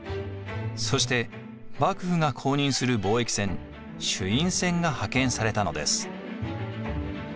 そして幕府が公認する貿易船朱印船が派遣されたのです。